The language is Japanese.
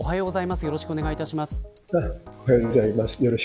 よろしくお願いします。